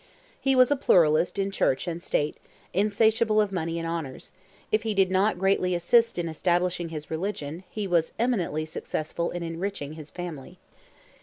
He was a pluralist in Church and State, insatiable of money and honours; if he did not greatly assist in establishing his religion, he was eminently successful in enriching his family.